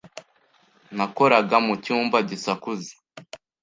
Nakoraga mu cyumba gisakuza.